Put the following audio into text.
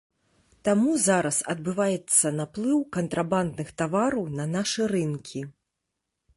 Таму зараз адбываецца наплыў кантрабандных тавараў на нашы рынкі.